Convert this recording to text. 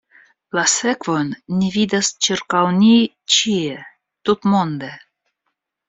La sekvojn ni vidas ĉirkaŭ ni ĉie, tutmonde.